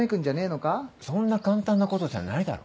そんな簡単なことじゃないだろ。